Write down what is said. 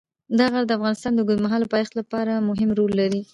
دا غر د افغانستان د اوږدمهاله پایښت لپاره مهم رول لري.